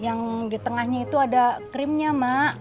yang di tengahnya itu ada krimnya mak